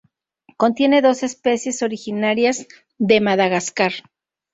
Contiene dos especies originarias de Madagascar.